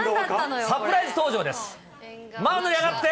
サプライズ登場です。